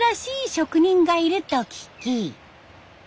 職人がいると聞き。